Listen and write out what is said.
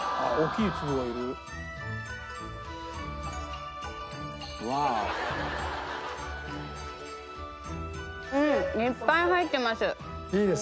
いっぱい入ってます。